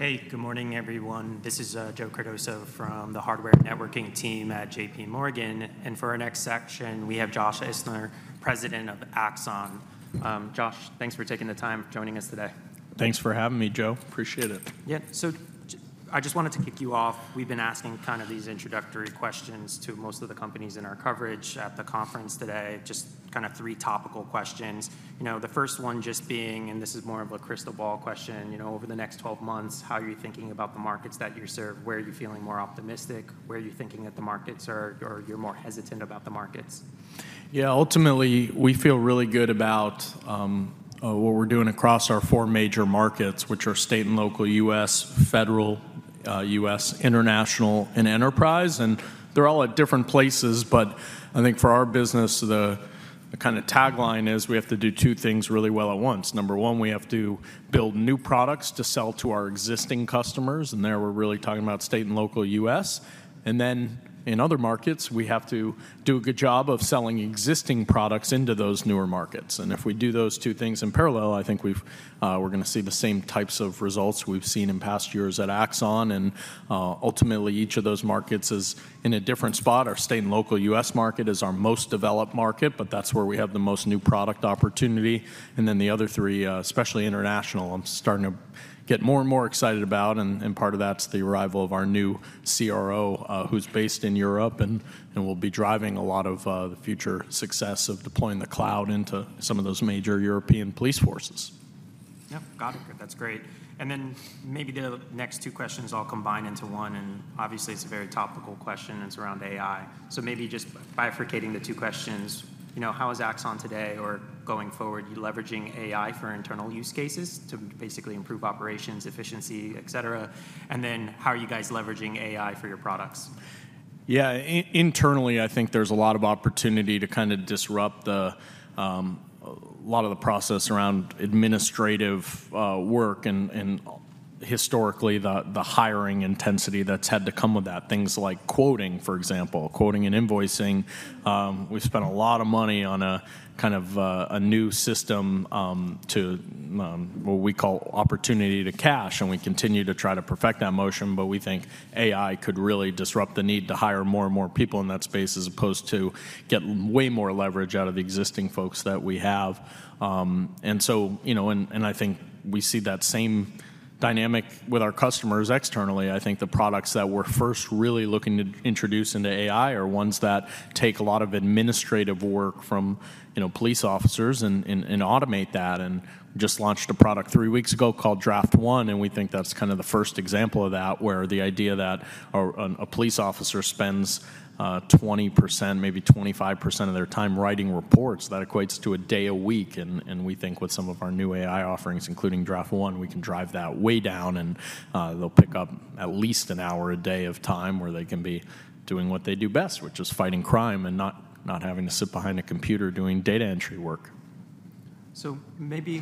Hey, good morning, everyone. This is Joe Cardoso from the Hardware Networking team at J.P. Morgan. For our next section, we have Josh Isner, President of Axon. Josh, thanks for taking the time joining us today. Thanks for having me, Joe. Appreciate it. Yeah. So I just wanted to kick you off. We've been asking kind of these introductory questions to most of the companies in our coverage at the conference today, just kind of 3 topical questions. You know, the first one just being, and this is more of a crystal ball question, you know, over the next 12 months, how are you thinking about the markets that you serve? Where are you feeling more optimistic? Where are you thinking that the markets are, or you're more hesitant about the markets? Yeah, ultimately, we feel really good about what we're doing across our 4 major markets, which are state and local U.S., federal, U.S., international, and enterprise. And they're all at different places, but I think for our business, the kind of tagline is, we have to do 2 things really well at once. Number 1, we have to build new products to sell to our existing customers, and there, we're really talking about state and local U.S. And then in other markets, we have to do a good job of selling existing products into those newer markets. And if we do those 2 things in parallel, I think we've, we're gonna see the same types of results we've seen in past years at Axon, and, ultimately, each of those markets is in a different spot. Our state and local U.S. market is our most developed market, but that's where we have the most new product opportunity. And then the other three, especially international, I'm starting to get more and more excited about, and part of that's the arrival of our new CRO, who's based in Europe, and will be driving a lot of the future success of deploying the cloud into some of those major European police forces. Yeah. Got it. That's great. And then maybe the next two questions I'll combine into one, and obviously, it's a very topical question, and it's around AI. So maybe just bifurcating the two questions, you know, how is Axon today or going forward, leveraging AI for internal use cases to basically improve operations, efficiency, et cetera? And then how are you guys leveraging AI for your products? Yeah, internally, I think there's a lot of opportunity to kinda disrupt a lot of the process around administrative work and historically the hiring intensity that's had to come with that. Things like quoting, for example, quoting and invoicing. We spent a lot of money on kind of a new system to what we call opportunity to cash, and we continue to try to perfect that motion, but we think AI could really disrupt the need to hire more and more people in that space, as opposed to get way more leverage out of the existing folks that we have. And so, you know, and I think we see that same dynamic with our customers externally. I think the products that we're first really looking to introduce into AI are ones that take a lot of administrative work from, you know, police officers and automate that. And we just launched a product three weeks ago called Draft One, and we think that's kind of the first example of that, where the idea that a police officer spends 20%, maybe 25% of their time writing reports, that equates to a day a week. And we think with some of our new AI offerings, including Draft One, we can drive that way down, and they'll pick up at least an hour a day of time where they can be doing what they do best, which is fighting crime and not having to sit behind a computer doing data entry work. So maybe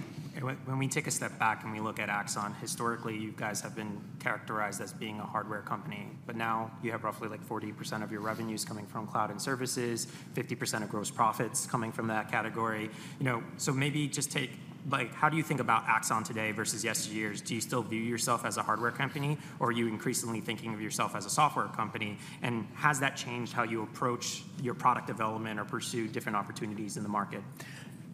when we take a step back and we look at Axon, historically, you guys have been characterized as being a hardware company, but now you have roughly, like, 40% of your revenues coming from cloud and services, 50% of gross profits coming from that category. You know, so maybe just take... Like, how do you think about Axon today versus yesteryears? Do you still view yourself as a hardware company, or are you increasingly thinking of yourself as a software company? And has that changed how you approach your product development or pursue different opportunities in the market?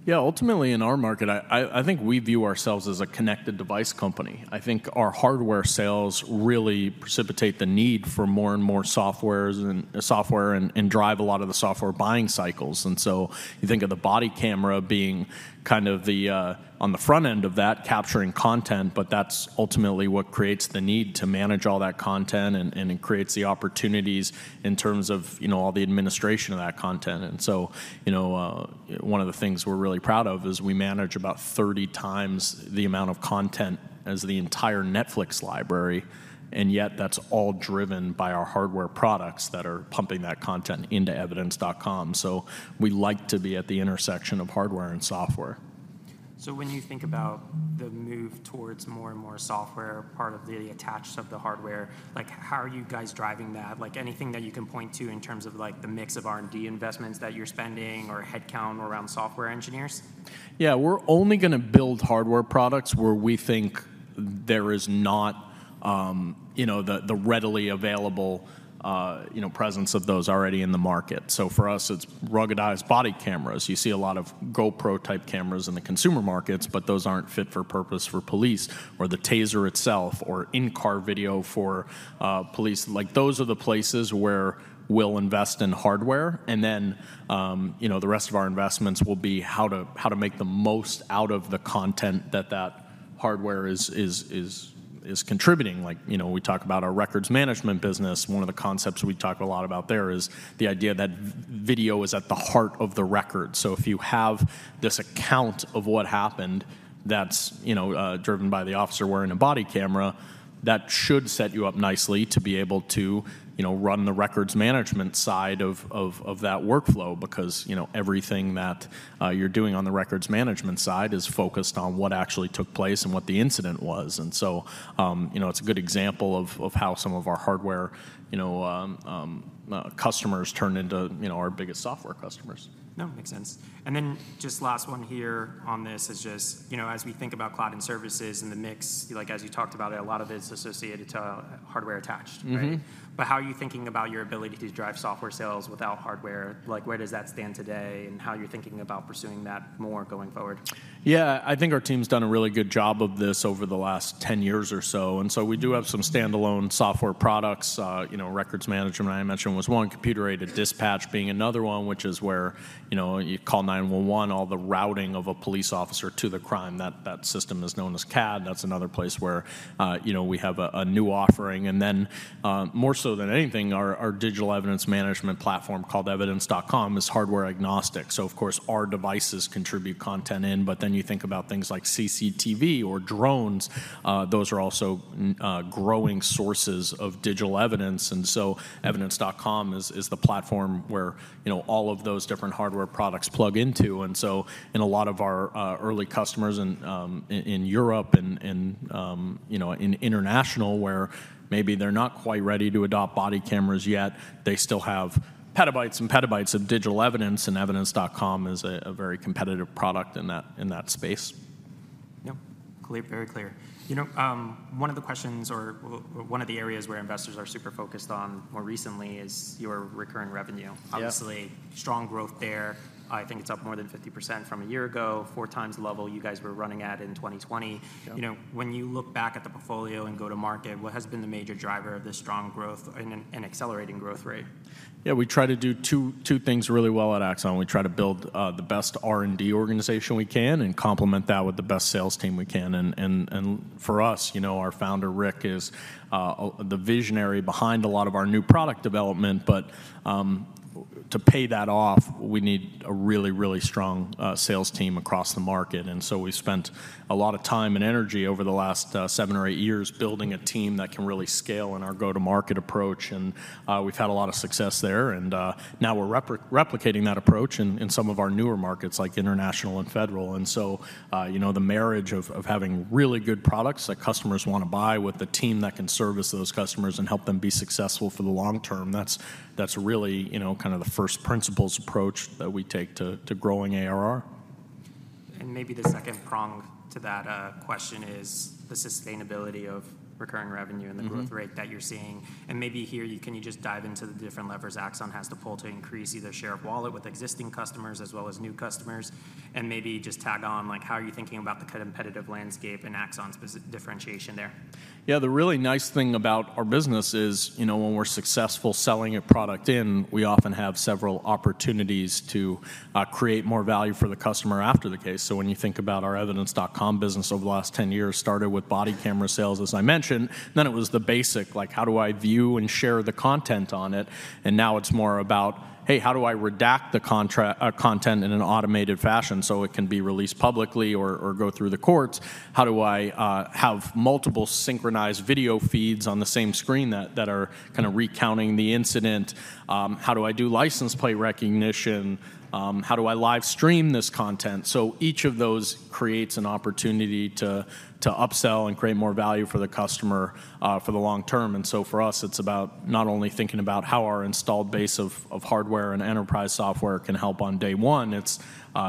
Yeah, ultimately, in our market, I think we view ourselves as a connected device company. I think our hardware sales really precipitate the need for more and more softwares and software and drive a lot of the software buying cycles. And so you think of the body camera being kind of the on the front end of that, capturing content, but that's ultimately what creates the need to manage all that content, and it creates the opportunities in terms of, you know, all the administration of that content. And so, you know, one of the things we're really proud of is we manage about 30 times the amount of content as the entire Netflix library, and yet that's all driven by our hardware products that are pumping that content into Evidence.com. So we like to be at the intersection of hardware and software. So when you think about the move towards more and more software, part of the attach rate of the hardware, like, how are you guys driving that? Like, anything that you can point to in terms of, like, the mix of R&D investments that you're spending or headcount around software engineers?... Yeah, we're only gonna build hardware products where we think there is not, you know, the readily available, you know, presence of those already in the market. So for us, it's ruggedized body cameras. You see a lot of GoPro-type cameras in the consumer markets, but those aren't fit for purpose for police or the TASER itself, or in-car video for police. Like, those are the places where we'll invest in hardware, and then, you know, the rest of our investments will be how to make the most out of the content that that hardware is contributing. Like, you know, we talk about our records management business. One of the concepts we talk a lot about there is the idea that video is at the heart of the record. So if you have this account of what happened that's, you know, driven by the officer wearing a body camera, that should set you up nicely to be able to, you know, run the records management side of that workflow because, you know, everything that you're doing on the records management side is focused on what actually took place and what the incident was. And so, you know, it's a good example of how some of our hardware, you know, customers turn into, you know, our biggest software customers. No, makes sense. And then just last one here on this is just, you know, as we think about cloud and services in the mix, like, as you talked about it, a lot of it's associated to, hardware attached, right? But how are you thinking about your ability to drive software sales without hardware? Like, where does that stand today, and how you're thinking about pursuing that more going forward? Yeah, I think our team's done a really good job of this over the last 10 years or so, and so we do have some standalone software products. You know, records management, I mentioned, was one, computer-aided dispatch being another one, which is where, you know, you call 911, all the routing of a police officer to the crime, that system is known as CAD. That's another place where, you know, we have a new offering. And then, more so than anything, our digital evidence management platform, called Evidence.com, is hardware agnostic. So of course, our devices contribute content in, but then you think about things like CCTV or drones, those are also growing sources of digital evidence, and so Evidence.com is the platform where, you know, all of those different hardware products plug into. And so in a lot of our early customers in Europe and, you know, in international, where maybe they're not quite ready to adopt body cameras yet, they still have petabytes and petabytes of digital evidence, and Evidence.com is a very competitive product in that space. Yep. Clear, very clear. You know, one of the questions or one of the areas where investors are super focused on more recently is your recurring revenue. Yeah. Obviously, strong growth there. I think it's up more than 50% from a year ago, 4x the level you guys were running at in 2020. Yeah. You know, when you look back at the portfolio and go to market, what has been the major driver of this strong growth and accelerating growth rate? Yeah, we try to do two things really well at Axon. We try to build the best R&D organization we can and complement that with the best sales team we can. And for us, you know, our founder, Rick, is the visionary behind a lot of our new product development, but to pay that off, we need a really, really strong sales team across the market. And so we spent a lot of time and energy over the last seven or eight years building a team that can really scale in our go-to-market approach, and we've had a lot of success there. And now we're replicating that approach in some of our newer markets, like international and federal. So, you know, the marriage of having really good products that customers want to buy with a team that can service those customers and help them be successful for the long term, that's really, you know, kind of the first principles approach that we take to growing ARR. Maybe the second prong to that question is the sustainability of recurring revenue- ...and the growth rate that you're seeing. And maybe here, can you just dive into the different levers Axon has to pull to increase either share of wallet with existing customers as well as new customers? And maybe just tag on, like, how are you thinking about the competitive landscape and Axon's specific differentiation there? Yeah, the really nice thing about our business is, you know, when we're successful selling a product in, we often have several opportunities to create more value for the customer after the case. So when you think about our Evidence.com business over the last 10 years, started with body camera sales, as I mentioned, then it was the basic, like, how do I view and share the content on it? And now it's more about, hey, how do I redact the content in an automated fashion so it can be released publicly or go through the courts? How do I have multiple synchronized video feeds on the same screen that are kind of recounting the incident? How do I do license plate recognition? How do I live stream this content? So each of those creates an opportunity to upsell and create more value for the customer for the long term. And so for us, it's about not only thinking about how our installed base of hardware and enterprise software can help on day one, it's...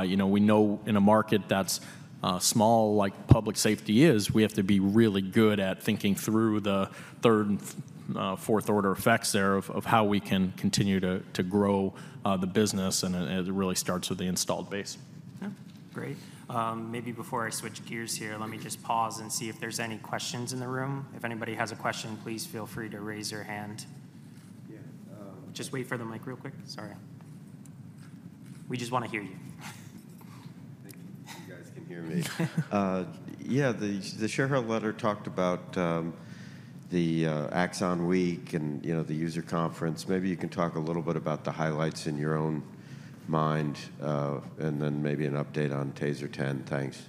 You know, we know in a market that's small, like public safety is, we have to be really good at thinking through the third and fourth order effects thereof of how we can continue to grow the business, and it really starts with the installed base. Yeah. Great. Maybe before I switch gears here, let me just pause and see if there's any questions in the room. If anybody has a question, please feel free to raise your hand. Just wait for the mic real quick. Sorry. We just wanna hear you. Thank you. You guys can hear me. Yeah, the shareholder letter talked about the Axon Week and, you know, the user conference. Maybe you can talk a little bit about the highlights in your own mind, and then maybe an update on TASER 10. Thanks.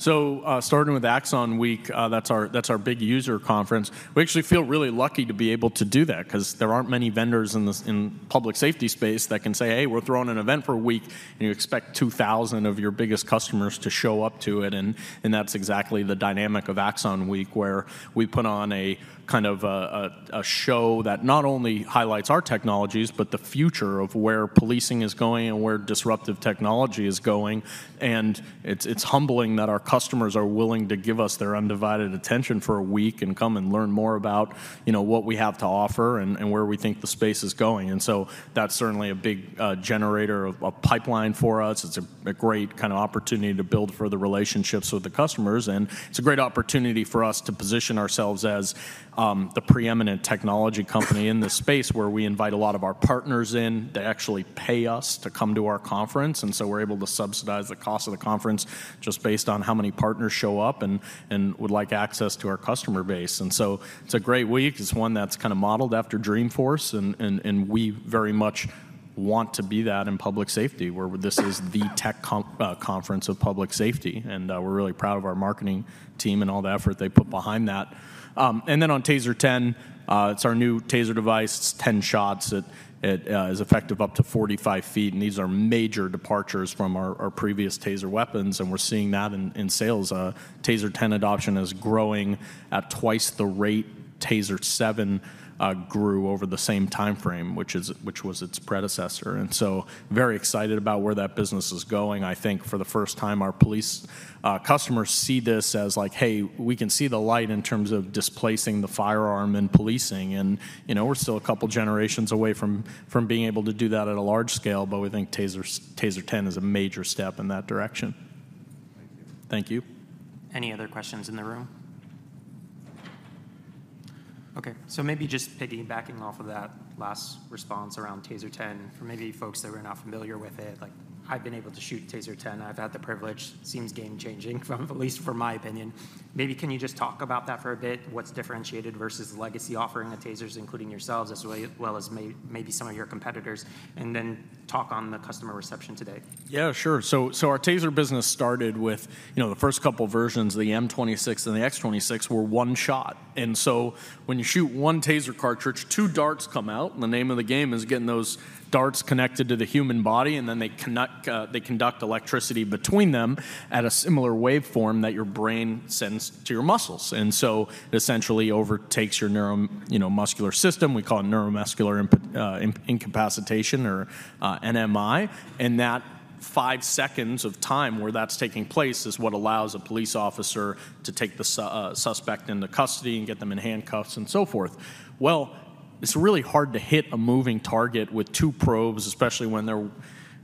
Sure. So, starting with Axon Week, that's our big user conference. We actually feel really lucky to be able to do that 'cause there aren't many vendors in the public safety space that can say, "Hey, we're throwing an event for a week," and you expect 2,000 of your biggest customers to show up to it, and that's exactly the dynamic of Axon Week, where we put on a kind of a show that not only highlights our technologies, but the future of where policing is going and where disruptive technology is going. And it's humbling that our customers are willing to give us their undivided attention for a week and come and learn more about, you know, what we have to offer and where we think the space is going. And so that's certainly a big generator of a pipeline for us. It's a great kind of opportunity to build further relationships with the customers, and it's a great opportunity for us to position ourselves as the preeminent technology company in this space, where we invite a lot of our partners in. They actually pay us to come to our conference, and so we're able to subsidize the cost of the conference just based on how many partners show up and would like access to our customer base. And so it's a great week. It's one that's kind of modeled after Dreamforce, and we very much want to be that in public safety, where this is the tech conference of public safety. And we're really proud of our marketing team and all the effort they put behind that. And then on TASER 10, it's our new TASER device. It's 10 shots. It is effective up to 45 feet, and these are major departures from our previous TASER weapons, and we're seeing that in sales. TASER 10 adoption is growing at twice the rate TASER 7 grew over the same timeframe, which was its predecessor, and so very excited about where that business is going. I think for the first time, our police customers see this as like, "Hey, we can see the light in terms of displacing the firearm in policing." You know, we're still a couple generations away from being able to do that at a large scale, but we think TASER 10 is a major step in that direction. Thank you. Thank you. Any other questions in the room? Okay, so maybe just piggybacking off of that last response around TASER 10, for maybe folks that are not familiar with it, like, I've been able to shoot TASER 10. I've had the privilege. It seems game-changing, at least from my opinion. Maybe can you just talk about that for a bit? What's differentiated versus the legacy offering of TASERs, including yourselves, as well as maybe some of your competitors, and then talk on the customer reception today? Yeah, sure. So, our TASER business started with, you know, the first couple versions, the M26 and the X26, were one shot. And so when you shoot one TASER cartridge, two darts come out, and the name of the game is getting those darts connected to the human body, and then they conduct electricity between them at a similar waveform that your brain sends to your muscles. And so essentially overtakes your neuro, you know, muscular system. We call it neuromuscular incapacitation or NMI, and that five seconds of time where that's taking place is what allows a police officer to take the suspect into custody and get them in handcuffs and so forth. Well, it's really hard to hit a moving target with two probes, especially when they're,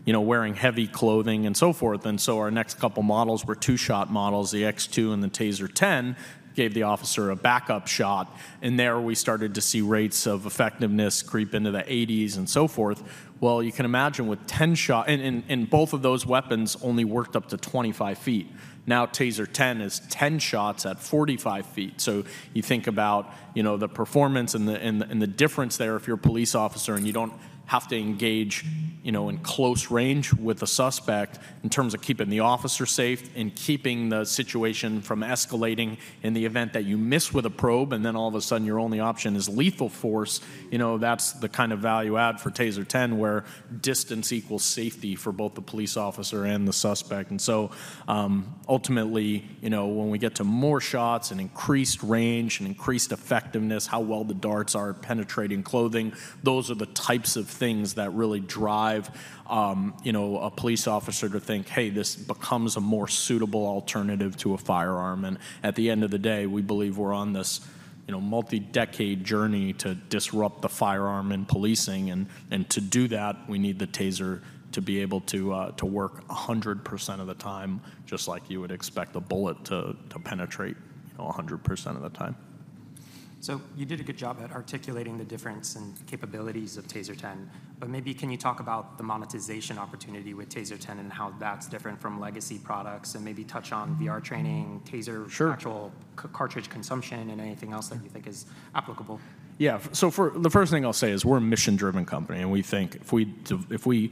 you know, wearing heavy clothing and so forth, and so our next couple models were two-shot models. The TASER X2 and the TASER 10 gave the officer a backup shot, and there we started to see rates of effectiveness creep into the eighties and so forth. Well, you can imagine with 10-shot... And both of those weapons only worked up to 25 feet. Now, TASER 10 is 10 shots at 45 feet. So you think about, you know, the performance and the difference there if you're a police officer and you don't have to engage, you know, in close range with a suspect in terms of keeping the officer safe and keeping the situation from escalating in the event that you miss with a probe, and then all of a sudden, your only option is lethal force. You know, that's the kind of value add for TASER 10, where distance equals safety for both the police officer and the suspect. And so, ultimately, you know, when we get to more shots and increased range and increased effectiveness, how well the darts are at penetrating clothing, those are the types of things that really drive, you know, a police officer to think, "Hey, this becomes a more suitable alternative to a firearm." And at the end of the day, we believe we're on this, you know, multi-decade journey to disrupt the firearm in policing, and, and to do that, we need the TASER to be able to, to work 100% of the time, just like you would expect a bullet to, to penetrate, you know, 100% of the time. So you did a good job at articulating the difference in capabilities of TASER 10, but maybe can you talk about the monetization opportunity with TASER 10 and how that's different from legacy products, and maybe touch on VR training, TASER- Sure... actual cartridge consumption, and anything else that you think is applicable? Yeah. So, the first thing I'll say is we're a mission-driven company, and we think if we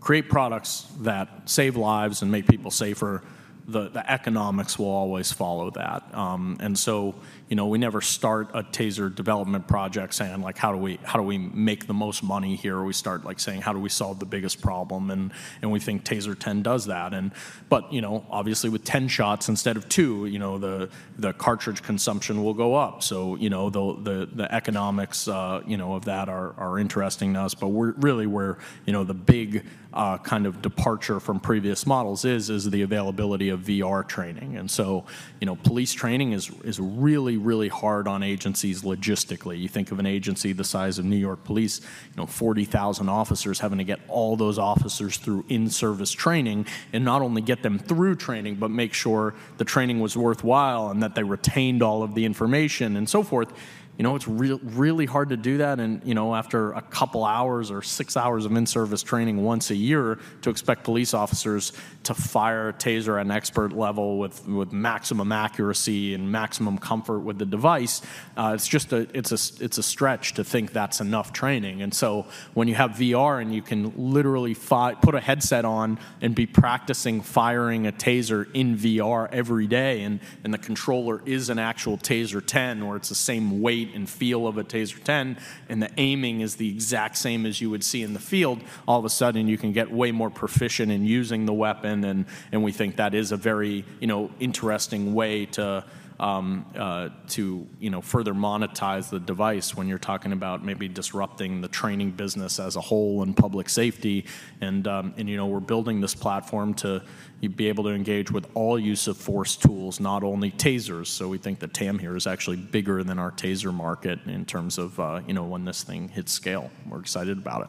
create products that save lives and make people safer, the economics will always follow that. And so, you know, we never start a TASER development project saying, like, "How do we make the most money here?" We start, like, saying: "How do we solve the biggest problem?" And we think TASER 10 does that. But, you know, obviously, with 10 shots instead of 2, you know, the cartridge consumption will go up. So, you know, the economics of that are interesting to us, but we're really where the big kind of departure from previous models is the availability of VR training. And so, you know, police training is really, really hard on agencies logistically. You think of an agency the size of New York Police, you know, 40,000 officers, having to get all those officers through in-service training, and not only get them through training, but make sure the training was worthwhile and that they retained all of the information, and so forth. You know, it's really hard to do that and, you know, after a couple hours or 6 hours of in-service training once a year, to expect police officers to fire a TASER at an expert level with maximum accuracy and maximum comfort with the device, it's just a stretch to think that's enough training. And so when you have VR, and you can literally put a headset on and be practicing firing a TASER in VR every day, and the controller is an actual TASER 10, or it's the same weight and feel of a TASER 10, and the aiming is the exact same as you would see in the field, all of a sudden, you can get way more proficient in using the weapon. And we think that is a very, you know, interesting way to, to, you know, further monetize the device when you're talking about maybe disrupting the training business as a whole in public safety. And, you know, we're building this platform to be able to engage with all use of force tools, not only TASERs. We think that TAM here is actually bigger than our TASER market in terms of, you know, when this thing hits scale. We're excited about it.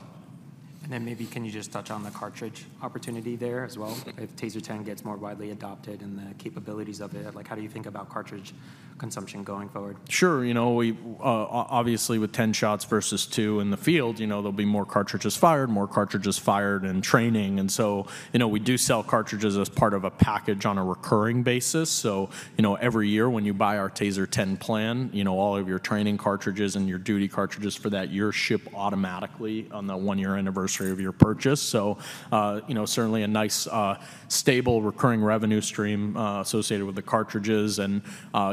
Then maybe can you just touch on the cartridge opportunity there as well? If TASER 10 gets more widely adopted and the capabilities of it, like, how do you think about cartridge consumption going forward? Sure. You know, we obviously, with 10 shots versus 2 in the field, you know, there'll be more cartridges fired, more cartridges fired in training. And so, you know, we do sell cartridges as part of a package on a recurring basis. So, you know, every year, when you buy our TASER 10 plan, you know, all of your training cartridges and your duty cartridges for that year ship automatically on the one-year anniversary of your purchase. So, you know, certainly a nice, stable, recurring revenue stream associated with the cartridges. And,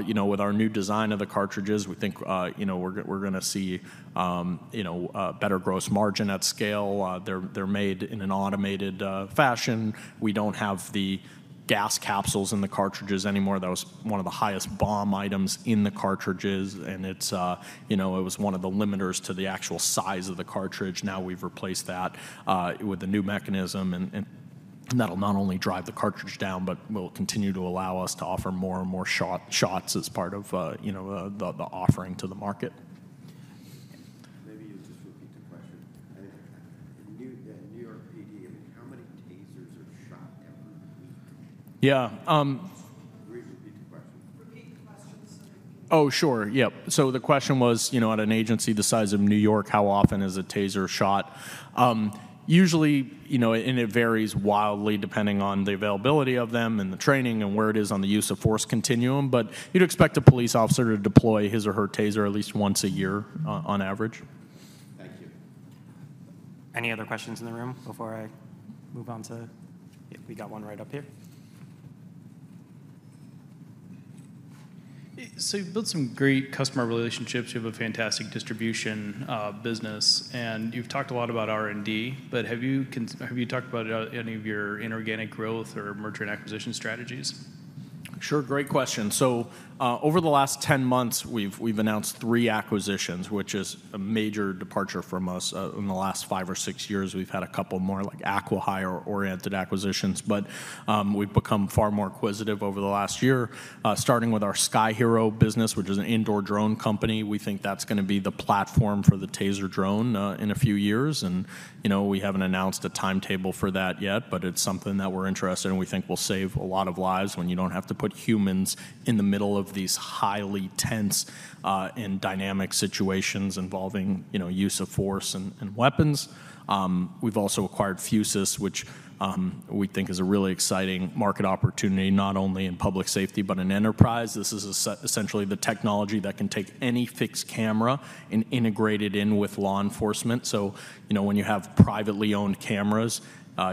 you know, with our new design of the cartridges, we think, you know, we're gonna see, you know, better gross margin at scale. They're made in an automated fashion. We don't have the gas capsules in the cartridges anymore. That was one of the highest BOM items in the cartridges, and it's, you know, it was one of the limiters to the actual size of the cartridge. Now, we've replaced that with a new mechanism, and that'll not only drive the cartridge down but will continue to allow us to offer more and more shot, shots as part of, you know, the offering to the market. Maybe you just repeat the question. The New York PD, I mean, how many TASERs are shot every week? Please repeat the question. Repeat the question, sir. Oh, sure. Yep. So the question was, you know, at an agency the size of New York, how often is a TASER shot? Usually, you know, and it varies wildly depending on the availability of them and the training and where it is on the use of force continuum, but you'd expect a police officer to deploy his or her TASER at least once a year on average. Thank you. Any other questions in the room before I move on to...? Yeah, we got one right up here. So you've built some great customer relationships. You have a fantastic distribution business, and you've talked a lot about R&D, but have you talked about any of your inorganic growth or merger and acquisition strategies? Sure, great question. So, over the last 10 months, we've announced 3 acquisitions, which is a major departure from us. In the last 5 or 6 years, we've had a couple more, like, acqui-hire-oriented acquisitions, but, we've become far more acquisitive over the last year, starting with our Sky-Hero business, which is an indoor drone company. We think that's gonna be the platform for the TASER drone, in a few years. And, you know, we haven't announced a timetable for that yet, but it's something that we're interested in and we think will save a lot of lives when you don't have to put humans in the middle of these highly tense, and dynamic situations involving, you know, use of force and, and weapons. We've also acquired Fusus, which, we think is a really exciting market opportunity, not only in public safety but in enterprise. This is essentially the technology that can take any fixed camera and integrate it in with law enforcement. So, you know, when you have privately owned cameras,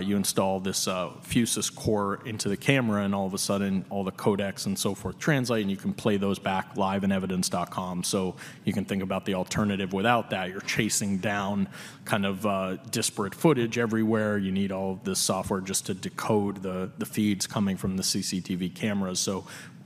you install this, FususCORE into the camera, and all of a sudden, all the codecs and so forth translate, and you can play those back live in Evidence.com. So you can think about the alternative without that. You're chasing down kind of, disparate footage everywhere. You need all of this software just to decode the, the feeds coming from the CCTV cameras.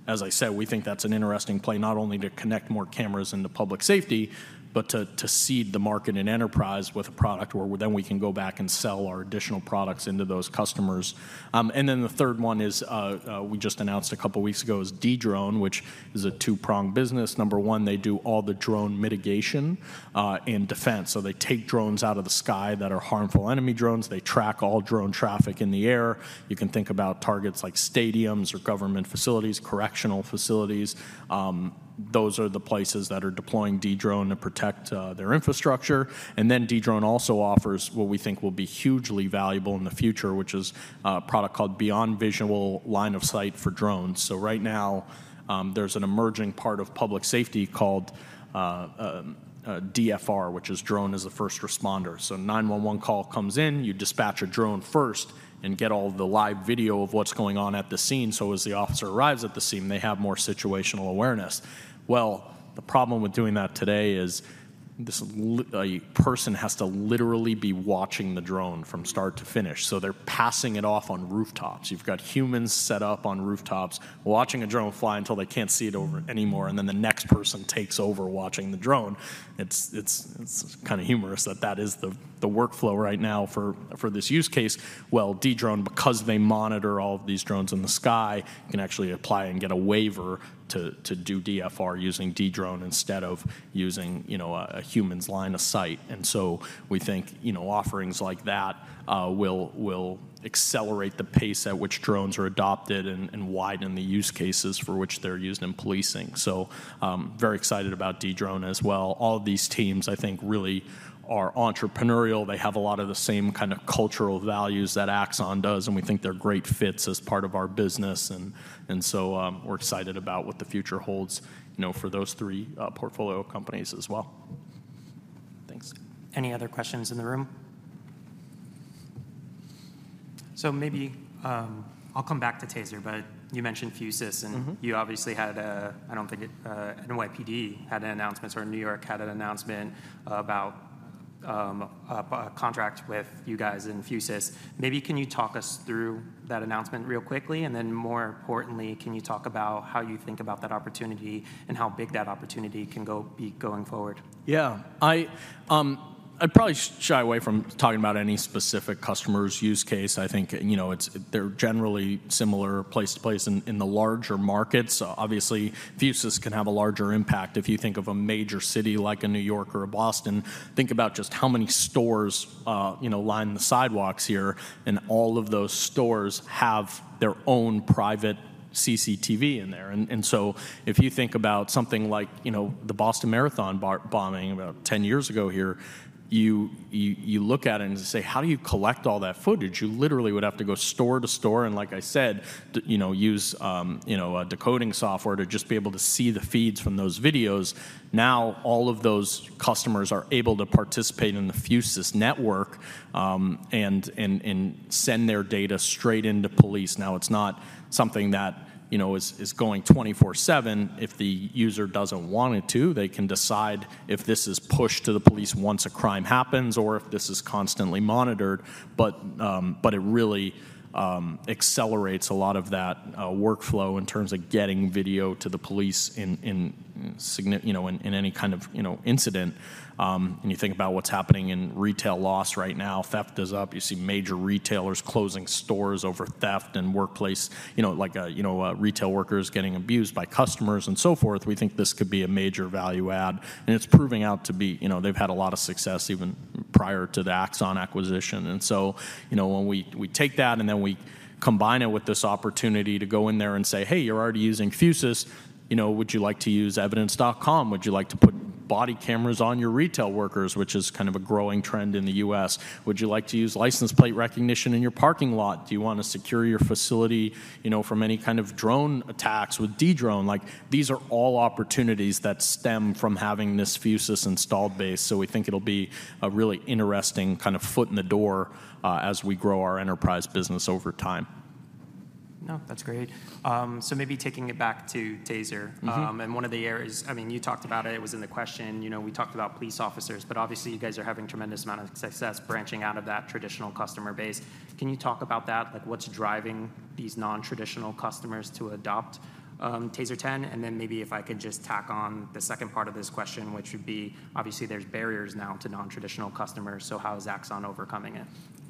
As I said, we think that's an interesting play, not only to connect more cameras into public safety but to seed the market and enterprise with a product where then we can go back and sell our additional products into those customers. Then the third one is what we just announced a couple of weeks ago, which is Dedrone, a two-pronged business. Number one, they do all the drone mitigation and defense. So they take drones out of the sky that are harmful enemy drones. They track all drone traffic in the air. You can think about targets like stadiums or government facilities, correctional facilities. Those are the places that are deploying Dedrone to protect their infrastructure. Then Dedrone also offers what we think will be hugely valuable in the future, which is a product called Beyond Visual Line of Sight for drones. So right now, there's an emerging part of public safety called DFR, which is Drone as a First Responder. So 911 call comes in, you dispatch a drone first and get all the live video of what's going on at the scene, so as the officer arrives at the scene, they have more situational awareness. Well, the problem with doing that today is a person has to literally be watching the drone from start to finish, so they're passing it off on rooftops. You've got humans set up on rooftops, watching a drone fly until they can't see it over anymore, and then the next person takes over watching the drone. It's kind of humorous that that is the workflow right now for this use case. Well, Dedrone, because they monitor all of these drones in the sky, can actually apply and get a waiver to do DFR using Dedrone instead of using, you know, a human's line of sight. And so we think, you know, offerings like that will accelerate the pace at which drones are adopted and widen the use cases for which they're used in policing. So, very excited about Dedrone as well. All of these teams, I think, really are entrepreneurial. They have a lot of the same kind of cultural values that Axon does, and we think they're great fits as part of our business. And so, we're excited about what the future holds, you know, for those three portfolio companies as well. Thanks. Any other questions in the room? So maybe, I'll come back to TASER, but you mentioned Fusus- -and you obviously had, I don't think it, NYPD had an announcement, or New York had an announcement about, a contract with you guys and Fusus. Maybe can you talk us through that announcement real quickly? And then, more importantly, can you talk about how you think about that opportunity and how big that opportunity can go... be going forward? Yeah. I'd probably shy away from talking about any specific customer's use case. I think, you know, they're generally similar place to place in the larger markets. Obviously, Fusus can have a larger impact. If you think of a major city, like a New York or a Boston, think about just how many stores, you know, line the sidewalks here, and all of those stores have their own private CCTV in there. And so if you think about something like, you know, the Boston Marathon bombing about 10 years ago here, you look at it and say: "How do you collect all that footage?" You literally would have to go store to store, and like I said, to you know, use you know, a decoding software to just be able to see the feeds from those videos. Now, all of those customers are able to participate in the Fusus network, and send their data straight into police. Now, it's not something that, you know, is going 24/7. If the user doesn't want it to, they can decide if this is pushed to the police once a crime happens or if this is constantly monitored. But it really accelerates a lot of that workflow in terms of getting video to the police in any kind of, you know, incident. When you think about what's happening in retail loss right now, theft is up. You see major retailers closing stores over theft and workplace, you know, like, retail workers getting abused by customers and so forth. We think this could be a major value add, and it's proving out to be. You know, they've had a lot of success even prior to the Axon acquisition. And so, you know, when we, we take that, and then we combine it with this opportunity to go in there and say, "Hey, you're already using Fusus. You know, would you like to use evidence.com? Would you like to put body cameras on your retail workers?" Which is kind of a growing trend in the U.S. "Would you like to use license plate recognition in your parking lot? Do you want to secure your facility, you know, from any kind of drone attacks with Dedrone?" Like, these are all opportunities that stem from having this Fusus installed base. So we think it'll be a really interesting kind of foot in the door, as we grow our enterprise business over time. No, that's great. So maybe taking it back to TASER- and one of the areas... I mean, you talked about it, it was in the question, you know, we talked about police officers, but obviously, you guys are having tremendous amount of success branching out of that traditional customer base. Can you talk about that? Like, what's driving these non-traditional customers to adopt TASER 10? And then maybe if I could just tack on the second part of this question, which would be: obviously, there's barriers now to non-traditional customers, so how is Axon overcoming it?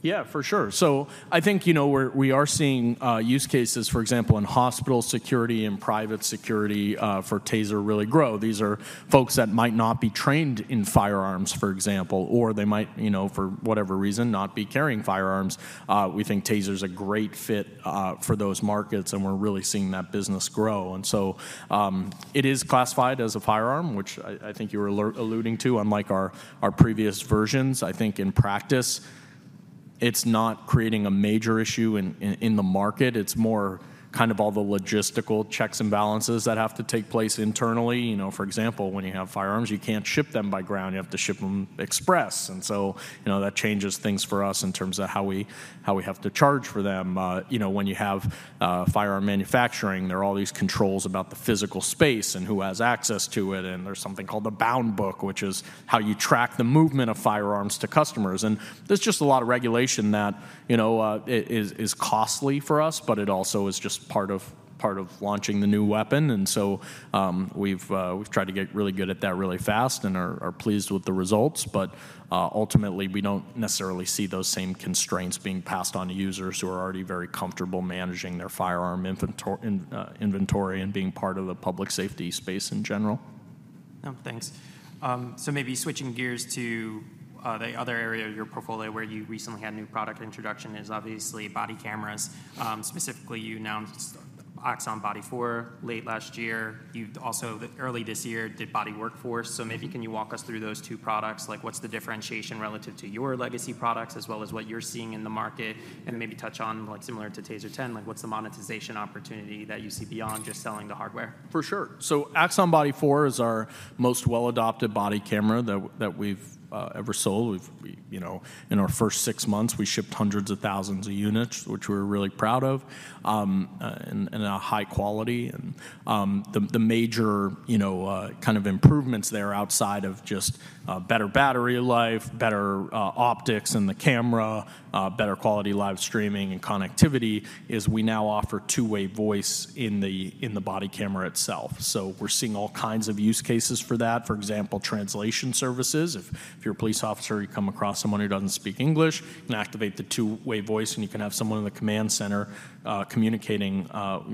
Yeah, for sure. So I think, you know, we are seeing use cases, for example, in hospital security and private security, for TASER really grow. These are folks that might not be trained in firearms, for example, or they might, you know, for whatever reason, not be carrying firearms. We think TASER's a great fit for those markets, and we're really seeing that business grow. And so, it is classified as a firearm, which I think you were alluding to, unlike our previous versions. I think in practice, it's not creating a major issue in the market. It's more kind of all the logistical checks and balances that have to take place internally. You know, for example, when you have firearms, you can't ship them by ground. You have to ship them express. You know, that changes things for us in terms of how we have to charge for them. You know, when you have firearm manufacturing, there are all these controls about the physical space and who has access to it, and there's something called the bound book, which is how you track the movement of firearms to customers. And there's just a lot of regulation that, you know, it is costly for us, but it also is just part of launching the new weapon. And so, we've tried to get really good at that really fast and are pleased with the results. But, ultimately, we don't necessarily see those same constraints being passed on to users who are already very comfortable managing their firearm inventory and being part of the public safety space in general. Thanks. So maybe switching gears to the other area of your portfolio where you recently had a new product introduction is obviously body cameras. Specifically, you announced Axon Body 4 late last year. You also, early this year, did Body Workforce. So maybe can you walk us through those two products? Like, what's the differentiation relative to your legacy products as well as what you're seeing in the market? And maybe touch on, like, similar to TASER 10, like, what's the monetization opportunity that you see beyond just selling the hardware? For sure. So Axon Body 4 is our most well-adopted body camera that we've ever sold. We've, you know, in our first six months, we shipped hundreds of thousands of units, which we're really proud of, and a high quality. The major, you know, kind of improvements there outside of just better battery life, better optics in the camera, better quality live streaming and connectivity, is we now offer two-way voice in the body camera itself. So we're seeing all kinds of use cases for that. For example, translation services. If you're a police officer, you come across someone who doesn't speak English, you can activate the two-way voice, and you can have someone in the command center communicating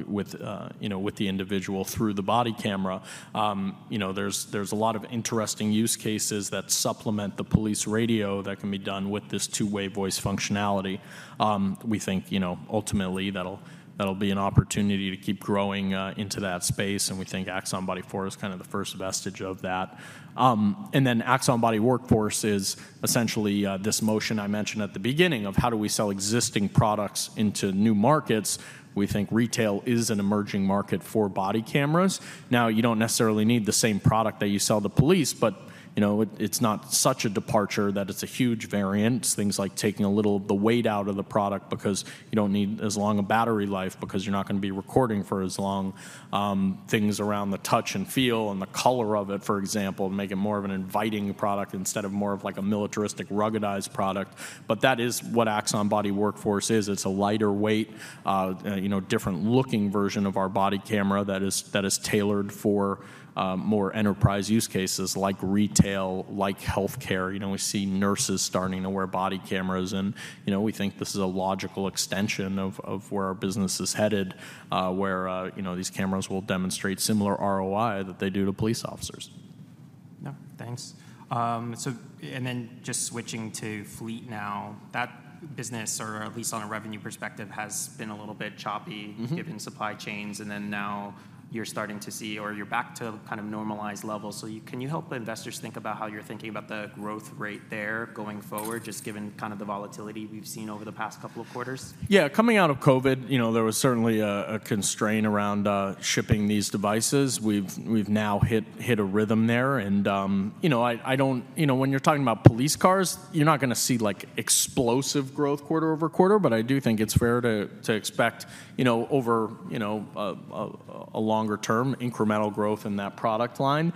with, you know, the individual through the body camera. You know, there's a lot of interesting use cases that supplement the police radio that can be done with this two-way voice functionality. We think, you know, ultimately, that'll be an opportunity to keep growing into that space, and we think Axon Body 4 is kind of the first vestige of that. And then Axon Body Workforce is essentially this motion I mentioned at the beginning of how do we sell existing products into new markets? We think retail is an emerging market for body cameras. Now, you don't necessarily need the same product that you sell to police, but, you know, it, it's not such a departure that it's a huge variant. It's things like taking a little of the weight out of the product because you don't need as long a battery life because you're not gonna be recording for as long. Things around the touch and feel and the color of it, for example, make it more of an inviting product instead of more of like a militaristic, ruggedized product. But that is what Axon Body Workforce is. It's a lighter weight, you know, different-looking version of our body camera that is tailored for more enterprise use cases like retail, like healthcare. You know, we see nurses starting to wear body cameras, and, you know, we think this is a logical extension of where our business is headed, where you know, these cameras will demonstrate similar ROI that they do to police officers. Yeah. Thanks. So, and then just switching to Fleet now, that business, or at least on a revenue perspective, has been a little bit choppy- Given supply chains, and then now you're starting to see or you're back to kind of normalized levels. So, can you help investors think about how you're thinking about the growth rate there going forward, just given kind of the volatility we've seen over the past couple of quarters? Yeah. Coming out of COVID, you know, there was certainly a constraint around shipping these devices. We've now hit a rhythm there, and, you know, I don't... You know, when you're talking about police cars, you're not gonna see, like, explosive growth quarter over quarter, but I do think it's fair to expect, you know, over a longer term, incremental growth in that product line.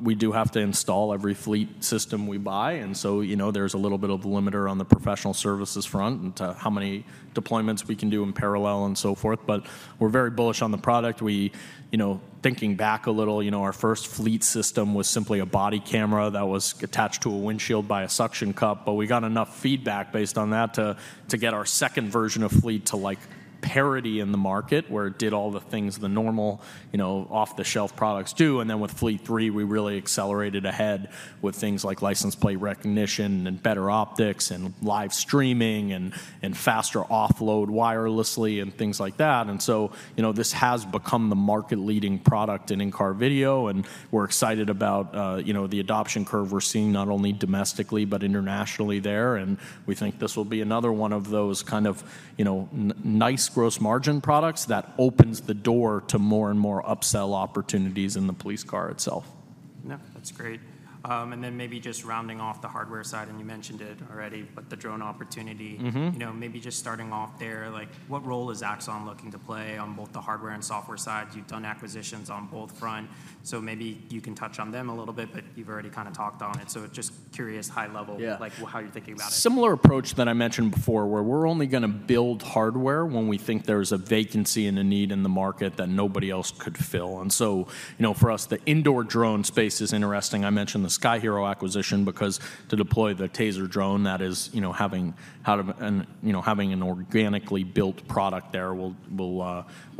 We do have to install every Fleet system we buy, and so, you know, there's a little bit of a limiter on the professional services front and to how many deployments we can do in parallel and so forth, but we're very bullish on the product. Well, you know, thinking back a little, you know, our first Fleet system was simply a body camera that was attached to a windshield by a suction cup, but we got enough feedback based on that to get our second version of Fleet to, like, parity in the market, where it did all the things the normal, you know, off-the-shelf products do. And then with Fleet 3, we really accelerated ahead with things like license plate recognition and better optics and live streaming and faster offload wirelessly and things like that. And so, you know, this has become the market-leading product in in-car video, and we're excited about, you know, the adoption curve we're seeing, not only domestically but internationally there. We think this will be another one of those kind of, you know, nice gross margin products that opens the door to more and more upsell opportunities in the police car itself. Yeah, that's great. And then maybe just rounding off the hardware side, and you mentioned it already, but the drone opportunity. You know, maybe just starting off there, like, what role is Axon looking to play on both the hardware and software sides? You've done acquisitions on both fronts, so maybe you can touch on them a little bit, but you've already kind of talked on it. So just curious, high level- Yeah. like, how you're thinking about it. Similar approach that I mentioned before, where we're only gonna build hardware when we think there's a vacancy and a need in the market that nobody else could fill. And so, you know, for us, the indoor drone space is interesting. I mentioned the Sky-Hero acquisition because to deploy the TASER drone, that is, you know, having an organically built product there will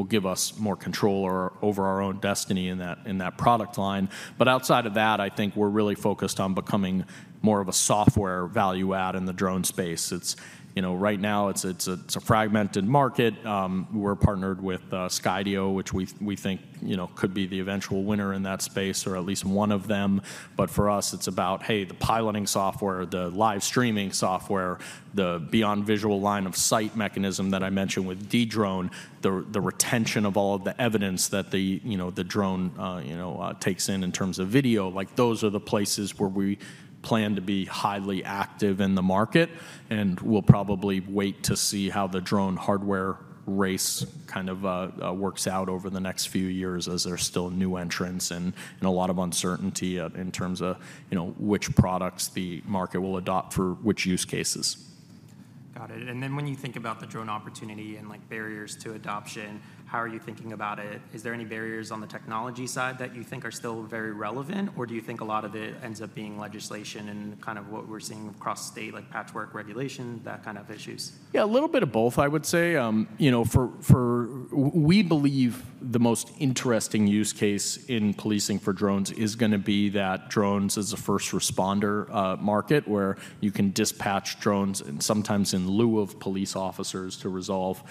give us more control over our own destiny in that product line. But outside of that, I think we're really focused on becoming more of a software value add in the drone space. It's, you know, right now, it's a fragmented market. We're partnered with Skydio, which we think, you know, could be the eventual winner in that space or at least one of them. But for us, it's about, hey, the piloting software, the live streaming software, the beyond visual line of sight mechanism that I mentioned with Dedrone, the retention of all of the evidence that the, you know, the drone takes in, in terms of video. Like, those are the places where we plan to be highly active in the market, and we'll probably wait to see how the drone hardware race kind of works out over the next few years as there are still new entrants and a lot of uncertainty in terms of, you know, which products the market will adopt for which use cases. Got it. And then when you think about the drone opportunity and, like, barriers to adoption, how are you thinking about it? Is there any barriers on the technology side that you think are still very relevant, or do you think a lot of it ends up being legislation and kind of what we're seeing across state, like patchwork regulation, that kind of issues? Yeah, a little bit of both, I would say. You know, for... We believe the most interesting use case in policing for drones is gonna be that drones as a first responder, market, where you can dispatch drones and sometimes in lieu of police officers to resolve,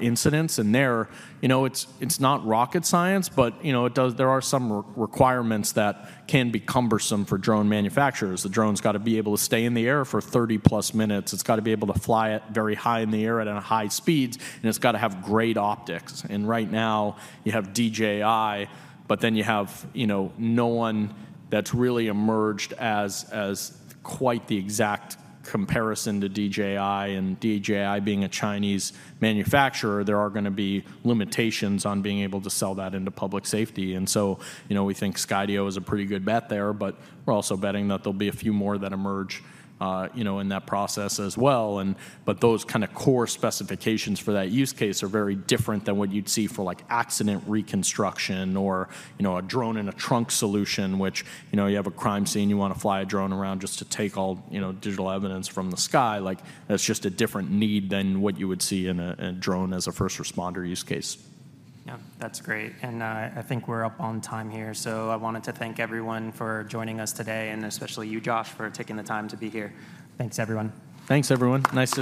incidents. And there, you know, it's not rocket science, but, you know, it does. There are some requirements that can be cumbersome for drone manufacturers. The drone's got to be able to stay in the air for 30-plus minutes. It's got to be able to fly very high in the air and at high speeds, and it's got to have great optics. And right now, you have DJI, but then you have, you know, no one that's really emerged as, quite the exact comparison to DJI. DJI being a Chinese manufacturer, there are gonna be limitations on being able to sell that into public safety. So, you know, we think Skydio is a pretty good bet there, but we're also betting that there'll be a few more that emerge, you know, in that process as well. But those kind of core specifications for that use case are very different than what you'd see for, like, accident reconstruction or, you know, a drone-in-a-trunk solution, which, you know, you have a crime scene, you want to fly a drone around just to take all, you know, digital evidence from the sky. Like, that's just a different need than what you would see in a, in a drone as a first responder use case. Yeah, that's great. And, I think we're up on time here. So I wanted to thank everyone for joining us today, and especially you, Josh, for taking the time to be here. Thanks, everyone. Thanks, everyone. Nice to-